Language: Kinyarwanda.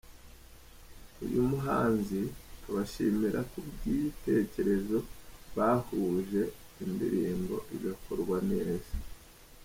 Uyu muhanzi abashimira ku bw’ibitekerezo bahuje indirimbo igakorwa neza.